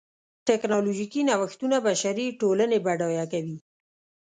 ټکنالوژیکي نوښتونه بشري ټولنې بډایه کوي.